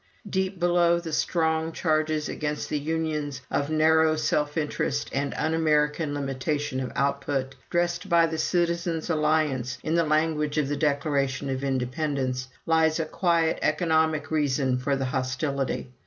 Deep below the strong charges against the unions of narrow self interest and un American limitation of output, dressed by the Citizens' Alliance in the language of the Declaration of Independence, lies a quiet economic reason for the hostility.